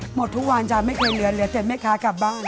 หมดทุกวันจ้ะไม่เคยเหลือเหลือแต่แม่ค้ากลับบ้าน